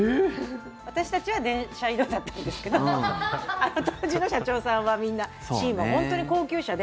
私たちは電車移動だったんですけどあの当時の社長さんはみんなシーマ本当に高級車で。